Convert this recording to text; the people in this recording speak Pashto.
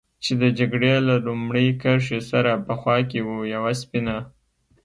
چې د جګړې له لومړۍ کرښې سره په خوا کې و، یوه سپینه.